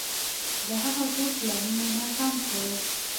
د هغه ټول پلانونه ناکام شول.